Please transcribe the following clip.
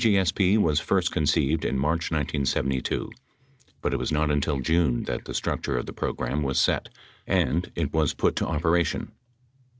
la CGSP was first conceived in March 1972, but it was not until June that the structure of the program was set and it was put to operation.